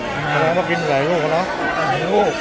พระราบตอบบินหลายลูกกันเนาะ